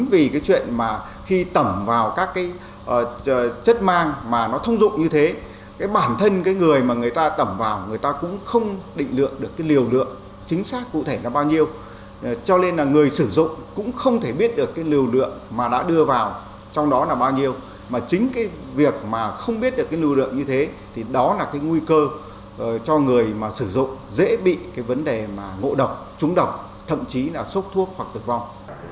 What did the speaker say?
việc không biết được nưu lượng như thế đó là nguy cơ cho người sử dụng dễ bị vấn đề ngộ độc trúng độc thậm chí là sốc thuốc hoặc tử vong